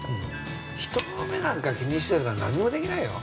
◆人の目なんか気にしてたら、何にもできないよ。